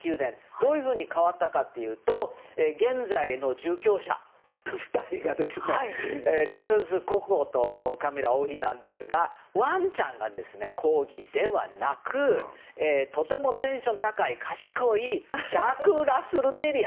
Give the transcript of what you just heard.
どういうふうに変わったかというと現在の居住者、２人がチャールズ国王とカミラ王妃なんですがワンちゃんがコーギーではなくとてもテンション高い、賢いジャック・ラッセル・テリア